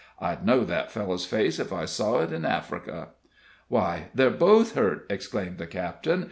I'd know that fellow's face if I saw it in Africa." "Why, they're both hurt!" exclaimed the captain.